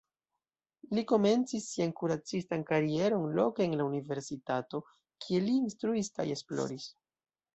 Li komencis sian kuracistan karieron loke en la universitato, kie li instruis kaj esploris.